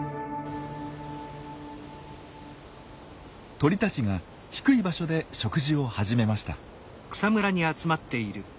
鳥たちが低い場所で食事を始めました。